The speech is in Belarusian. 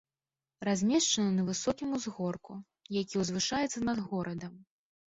Размешчаны на высокім узгорку, які ўзвышаецца над горадам.